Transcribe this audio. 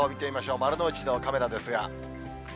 丸の内のカメラですが。